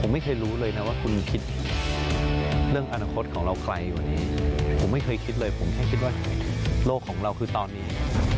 มึงทำได้ไงอะ